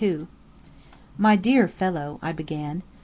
"My dear fellow," I began.